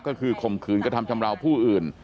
ก็คือข่มขืนกระทำชำราวผู้อื่น